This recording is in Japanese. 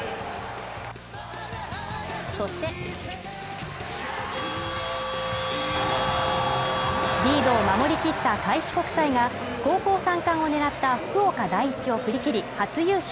そしてリードを守りきった開志国際が高校３冠を狙った福岡第一を振り切り、初優勝。